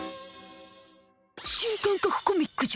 新感覚コミックじゃ！